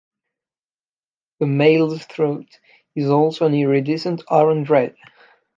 The male's throat is also an iridescent orange-red.